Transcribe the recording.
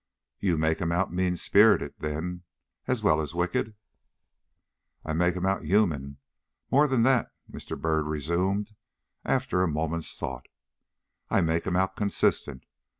"You make him out mean spirited, then, as well as wicked?" "I make him out human. More than that," Mr. Byrd resumed, after a moment's thought, "I make him out consistent.